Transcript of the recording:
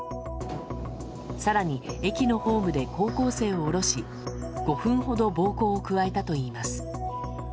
更に駅のホームで高校生を下ろし５分ほど暴行を加えたといいます。